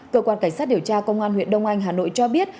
cơ quan cảnh sát điều tra công an huyện đông anh hà nội cho biết